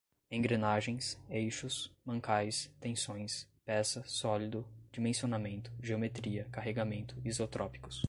Engrenagens, eixos, mancais, tensões, peça, sólido, dimensionamento, geometria, carregamento, isotrópicos